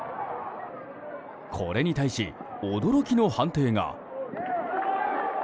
これに対し驚きの判定が。